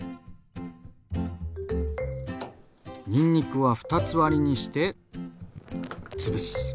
にんにくは２つ割りにしてつぶす。